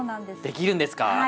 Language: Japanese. できるんですか？